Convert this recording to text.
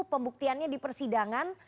pembuktiannya di persidangan